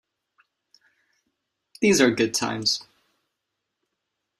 These are good times.